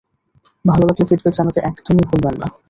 ভালো লাগলে ফিডব্যাক জানাতে একদমই ভুলবেন না।